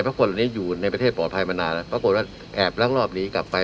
แต่ประกอบในนี้อยู่ในประเทศปลอดภัยมานานล่ะปรากฏว่าแอบล้างรอบหนีกลับไป